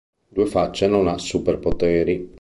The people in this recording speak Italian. Due Facce non ha superpoteri.